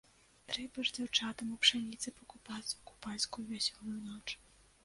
Трэба ж дзяўчатам у пшаніцы пакупацца ў купальскую вясёлую ноч.